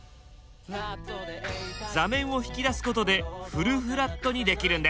座面を引き出すことでフルフラットにできるんです。